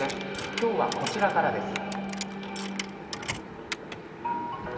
今日はこちらからです。